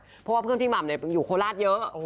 เพราะว่าเพื่อนพี่หม่ำอยู่โคราชเยอะ